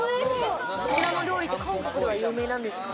こちらの料理、韓国では有名なんですか？